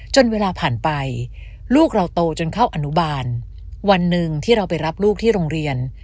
จนเวลาผ่านไปลูกเราโตจนเข้าอนุบาลวันหนึ่งที่เราไปรับลูกที่โรงเรียน